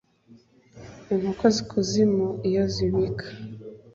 inkoko z'ikuzimu iyo zibika